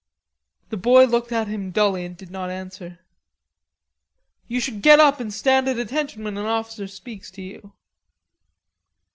The boy looked at him dully and did not answer. "You should get up and stand at attention when an officer speaks to you.